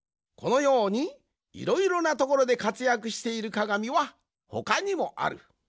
このようにいろいろなところでかつやくしているかがみはほかにもある。